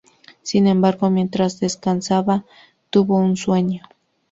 Sin embargo, mientras descansaba tuvo un sueño.